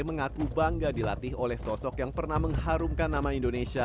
mengaku bangga dilatih oleh sosok yang pernah mengharumkan nama indonesia